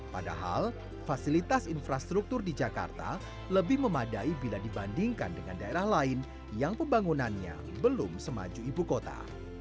padahal fasilitas infrastruktur di jakarta lebih memadai bila dibandingkan dengan daerah lain yang pembangunannya belum semaju ibu kota